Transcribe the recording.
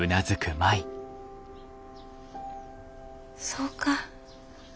そうか。